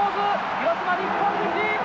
広島日本一！